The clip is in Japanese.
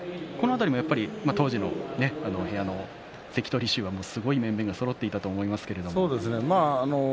当時の部屋の関取衆はすごい面々がそろっていたと思いますが。